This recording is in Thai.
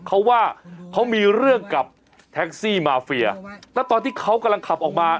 เขาว่าเขามีเรื่องกับแท็กซี่มาเฟียแล้วตอนที่เขากำลังขับออกมา